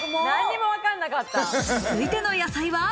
続いての野菜は。